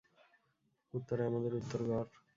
উত্তরে আমাদের উত্তরগড়।